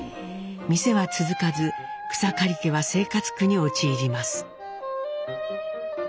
店は続かず草刈家は生活苦に陥ります。